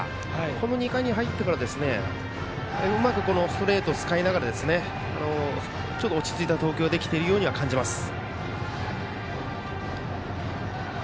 この２回に入ってからうまくストレートを使いながら落ち着いた投球ができているように感じます。